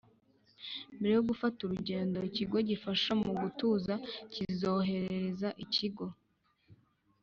mbere yo gufata urugendo Ikigo gifasha mu gutuza kizoherereza ikigo